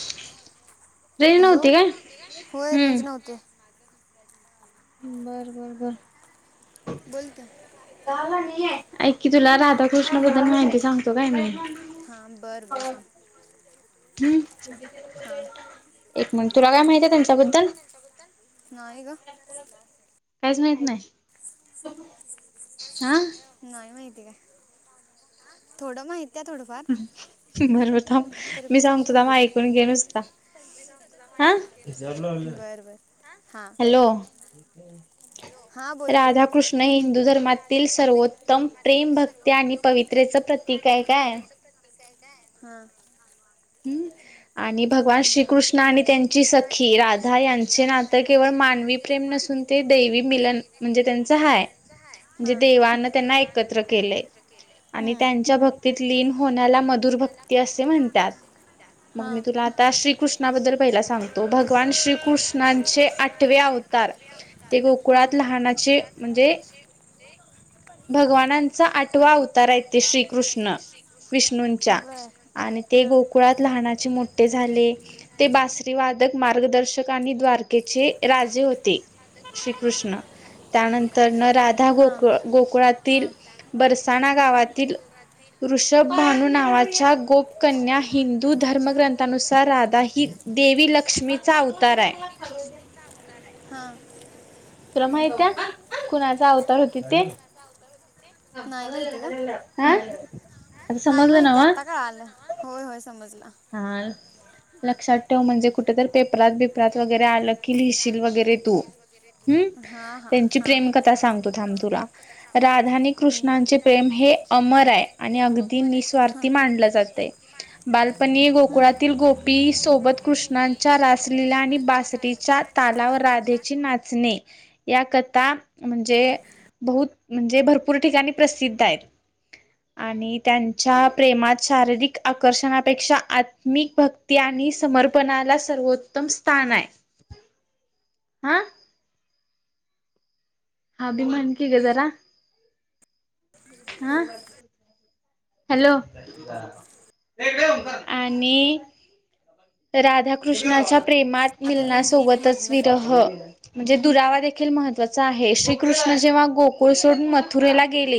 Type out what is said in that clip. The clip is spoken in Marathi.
हॅलो. रेंज नव्हती का?, होय हम्म. रेंज नव्हती- बर बर बर... बोल तर- ऐक कि, तुला राधाकृष्ण बद्दल माहिती सांगतो काय मी- होय सागं- हम्म एक मिनंट, तुला काय माहिती आहे त्यांच्याबद्दल? नाही ग कायच माहित नाही हा नाही माहिती काय, थोडं माहित आहे थोडं फार- बर बर थांब मी सांग सांगतो की थांब बघू तू ऐकून घे नुसता हा बरं बर हा हॅलो.... हां बोल की राधाकृष्ण हिंदू धर्मातील सर्वोत्तम प्रेम, भक्ती आणि पवित्रेच प्रतीक ते आहे काय पविञेच प्रतीक आहे काय हा- हम् आणि भगवान श्रीकृष्ण आणि त्यांची सखी राधा यांचे नातं तर केवळ मानवी प्रेम नसुन ते द देवी मिलन म्हणजे त्यांच हाय म्हणजे हां देवानं त्यांना एकत्र केलय आणि हं, त्यांच्या भक्तीत लीन होण्याला मधुर भक्ती असे म्हणतात. मग मी हां तुला आता श्रीकृष्णाबद्दल पहिला सांगतो भगवान श्रीकृष्णांचे आठवे अवतार ते गो हां कुळात लहानाचे म्हणजे भगवानांचा आठवा अवताराय ते श्रीकृष्ण विष्णूंच्या बरं आणि ते हां गोकुळात लनाचे मोठे झाले ते बासरी वादक मार्गदर्शक आणि द्वार चे राजे होते श्रीकृष्ण त्यानंतर न राधा हा हा गोक गोकुळात तील बरसाणा गावातील ऋषभ भानू नावाच्या गोपकन्या हिंद दू धर्मग्रंथानुसार राधा ही देवी लक्ष्मीचा अवतार हाय हा तुला माहित हाय कुणाचा अवतार होतीत ते? अवतार नाही माहिती गं, हा आता नाही समजलं माहिती नव्ह आता कळालं होय होय समजलं हा लक्षात ठेव म्हणजे कुठ तर पेपरात बी हम्म हा त्यांची हा प्रेमकथा सांगतो थांब तुला बर कथा राधा सांगतो आणि थांब कृष्णांचे तुला प्रेम राधा नी हे अमर कृष्णाचे आहे प्रेम आणि हे अगदी अमर आहे निस्वार्थी अगदी मानलं जातय निस्वार्थी कि मा म्हणलं तर बालपणी गोकुळातील गोपी सोबत कृष्णांच्या रासलिला आणि बा तालावर राधेची नाचणे या कथा म्हणजे बहुत म्हणजे भरपूर ठिकाणी प्रसिद्ध आहेत. आणि त्यांच्या प्रेमात शारीरिक आकर्षना पेक्षा आत्मिक भक्ती आणि समर्पणाला सर्वोत्तम स्थान आहे. हा अभि म्हण की ग जरा हा [unintelligible] हॅलो आणि राधाकृष्णाच्या प्रेमात अगं रेंज गेली मिलनासोबतच मधनंच विरह म्हणजे दुरावा देखील महत्त्वाचा आहे श्रीकृष्ण जेव्हा गोकुळ सोडून मथुरेला गेले